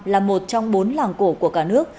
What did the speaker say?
là một trong bốn làng cổ của cả nước